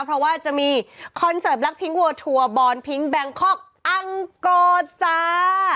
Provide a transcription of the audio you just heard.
เพราะว่าจะมีคอนเสิร์ฟลักษณ์พิงก์วอร์ดทัวร์บอนด์พิงก์แบงคกอังโกรธจ้า